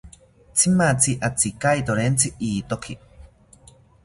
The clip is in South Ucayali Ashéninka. Tzimatzi atzikaitorentzi ithoki